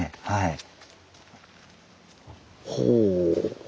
はい。